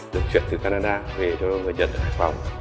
được chuyển từ canada về cho người dân ở hải phòng